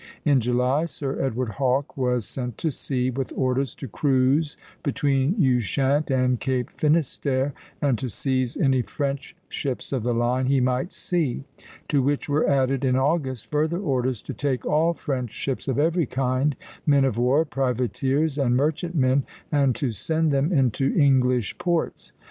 In July, Sir Edward Hawke was sent to sea with orders to cruise between Ushant and Cape Finisterre, and to seize any French ships of the line he might see; to which were added in August further orders to take all French ships of every kind, men of war, privateers, and merchantmen, and to send them into English ports.